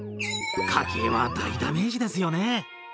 家計は大ダメージですよね。